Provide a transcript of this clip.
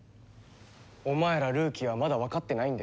お前らルーキーはまだわかってないんだよ。